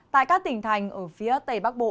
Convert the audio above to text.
tại các tỉnh thành ở phía tây bắc bộ